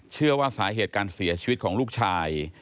เชื่อว่าสาเหตุการเสียชีวิตของลูกชาย